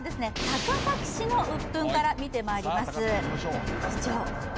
高崎市のウップンから見てまいります